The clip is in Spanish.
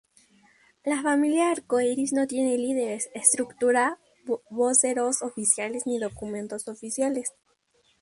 La Familia Arco Iris no tiene líderes, estructura, voceros oficiales ni documentos oficiales.